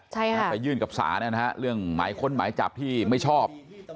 ไปยื่นกับสาเรื่องหมายค้นหมายจับที่ไม่ชอบ